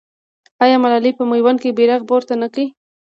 آیا ملالۍ په میوند کې بیرغ پورته نه کړ؟